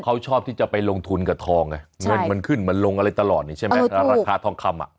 เขาชอบที่จะไปลงทุนกับทองไงเงินมันขึ้นมันลงอะไรตลอดนี่ใช่ไหมราคาทองคำอ่ะ